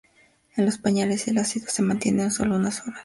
En los pañales el ácido se mantiene solo unas horas.